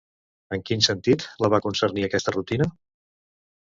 En quin sentit la va concernir aquesta rutina?